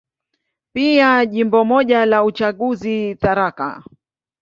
Pia Jimbo moja la uchaguzi, Tharaka.